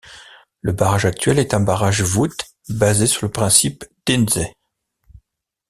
Le barrage actuel est un barrage voûte, basé sur le principe d'Intze.